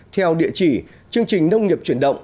theo địa chỉ chương trình nông nghiệp chuyển động